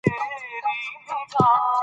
د خلکو بې برخې کول خطرناک دي